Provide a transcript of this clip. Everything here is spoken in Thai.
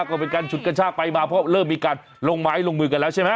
ก็เป็นการฉุดกระชากไปมาเพราะเริ่มมีการลงไม้ลงมือกันแล้วใช่ไหม